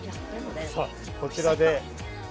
さあこちらで。